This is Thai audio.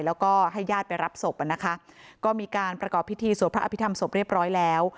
แล้วก็ให้ญาติไปรับศพอ่ะนะคะก็มีการประกอบพิธีสวดพระอภิษฐรรศพเรียบร้อยแล้ว